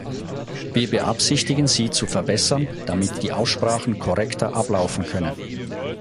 Wir beabsichtigen sie zu verbessern, damit die Aussprachen korrekter ablaufen können.